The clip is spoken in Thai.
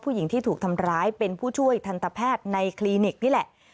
ผู้หญิงที่ถูกทำร้ายเป็นผู้ช่วยทันตแพทย์ในคลินิกนี่แหละ